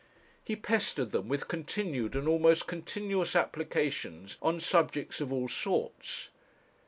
He pestered them with continued and almost continuous applications on subjects of all sorts.